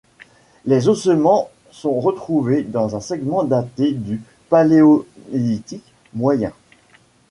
Les ossements sont retrouvés dans un segment daté du Paléolithique moyen.